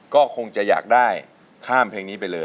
ก็คงจะอยากได้ข้ามเพลงนี้ไปเลย